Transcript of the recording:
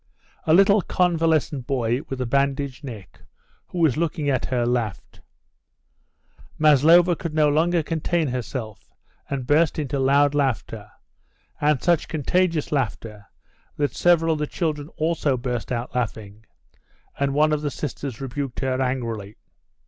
A little convalescent boy with a bandaged neck, who was looking at her, laughed. Maslova could no longer contain herself and burst into loud laughter, and such contagious laughter that several of the children also burst out laughing, and one of the sisters rebuked her angrily.